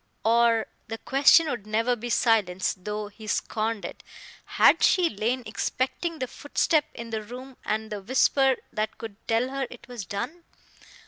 Or the question would never be silenced, though he scorned it had she lain expecting the footstep in the room and the whisper that should tell her it was done?